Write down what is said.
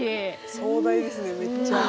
壮大ですねめっちゃ。